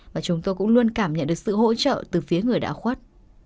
và chúng tôi cũng luôn cảm nhận được sự hỗ trợ từ phía người đã khuất